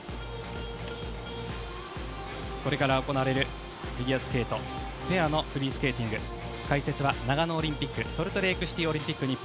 これから行われるフィギュアスケートペアのフリースケーティング解説は長野オリンピックソルトレークオリンピック